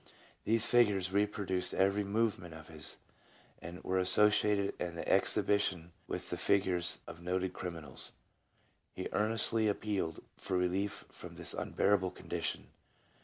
These figures reproduced every movement of his, and were associated in the exhibition with the figures of noted criminals. He earnestly appealed for relief from this unbearable condition.